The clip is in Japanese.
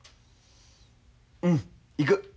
うん行く。